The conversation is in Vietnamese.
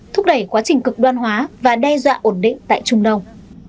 thúc đẩy quá trình cực đoan hóa và đe dọa ổn định tại trung đông